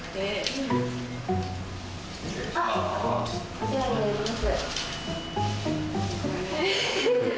お世話になります。